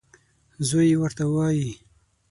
زوی یې ورته وايي .